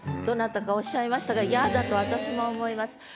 どなたかおっしゃいましたが「や」だと私も思います。